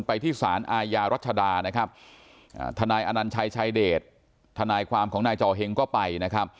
ไปที่สรรอายารัชดาธนายอันนันใจชายเดทธนายความของนายจอหึงก็ไป